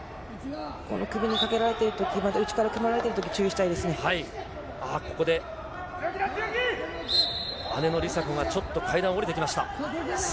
この首にかけられてるとき、内から組まれているとき、注意しああ、ここで姉の梨紗子が、ちょっと階段を下りてきました。